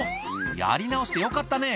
やり直してよかったね